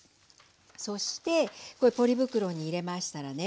そしてこういうポリ袋に入れましたらね